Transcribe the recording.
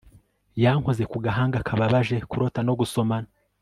yankoze ku gahanga kababaje, kurota no gusomana